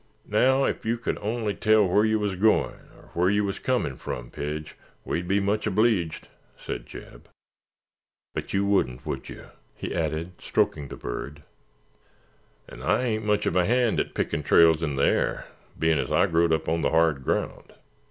"Naow, if yer could ony tell whar yer wuz goin' or whar yer wuz comin' frum, Pidge, we'd be much obleeged," said Jeb; "but you wouldn't, would yer," he added, stroking the bird, "'n' I ain't much uv a hand at pickin' trails in th'air, bein' as I growed up on th'hard ground."